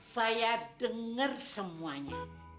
saya denger semuanya